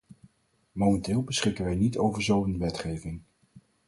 Momenteel beschikken wij niet over zo'n wetgeving.